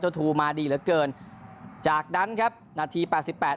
ทูมาดีเหลือเกินจากนั้นครับนาทีแปดสิบแปด